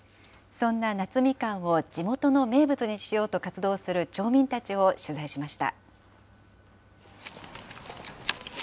そんな夏みかんを地元の名物にしようと活動する町民たちを取材しました。